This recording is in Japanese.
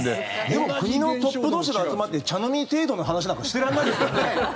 でも国のトップ同士が集まって茶飲み程度の話なんかしてられないですよね。